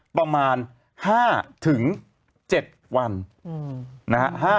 ประมาณ๕๗วัน